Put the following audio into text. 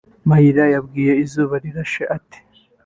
Mayira yabwiye Izuba Rirashe ati